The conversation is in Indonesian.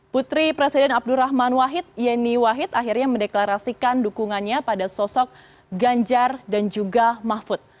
putri presiden abdurrahman wahid yeni wahid akhirnya mendeklarasikan dukungannya pada sosok ganjar dan juga mahfud